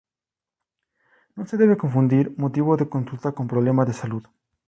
No se debe confundir motivo de consulta con problema de salud.